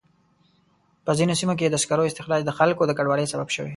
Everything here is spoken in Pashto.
په ځینو سیمو کې د سکرو استخراج د خلکو د کډوالۍ سبب شوی.